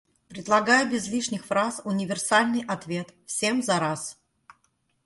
Предлагаю без лишних фраз универсальный ответ — всем зараз.